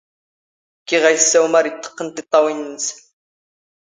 ⴽⵉⵖ ⴰ ⵉⵙⵙⴰ ⵓⵎⴰ ⴰⵔ ⵉⵜⵜⵇⵇⵏ ⵜⵉⵟⵟⴰⵡⵉⵏ ⵏⵏⵙ.